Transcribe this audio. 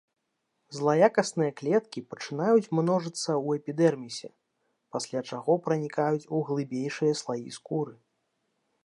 Злаякасныя клеткі пачынаюць множыцца ў эпідэрмісе, пасля чаго пранікаюць у глыбейшыя слаі скуры.